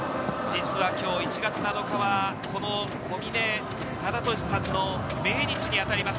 実は今日１月７日はこの小嶺忠敏さんの命日にあたります。